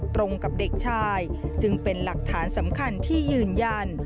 ตรงกับเด็กชายจึงเป็นหลักฐานสำคัญที่ยืนยัน